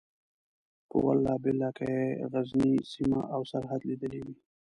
په والله بالله که یې غزنۍ سیمه او سرحد لیدلی وي.